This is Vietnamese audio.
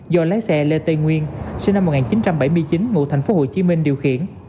do lái xe lê tây nguyên sinh năm một nghìn chín trăm bảy mươi chín ngụ tp hcm điều khiển